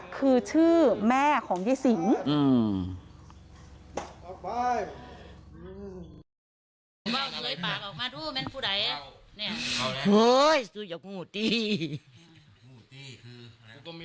คือชื่อแม่ของเย้สิง